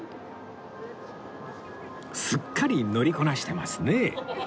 すっかり乗りこなしてますね